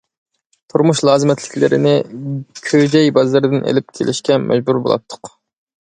تۇرمۇش لازىمەتلىكلىرىنى كۆجەي بازىرىدىن ئېلىپ كېلىشكە مەجبۇر بولاتتۇق.